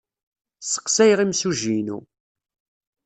Sseqsayeɣ imsujji-inu.